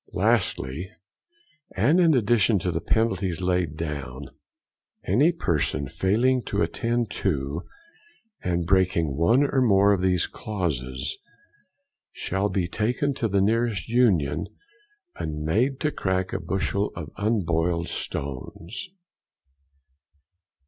Lastly. And in addition to the penalties here laid down, any person failing to attend to, and breaking one or more of these clauses, they shall be taken to the nearest Union, and made to crack a bushel of unboiled stones.